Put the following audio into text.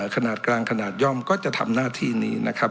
ขนาดกลางขนาดย่อมก็จะทำหน้าที่นี้นะครับ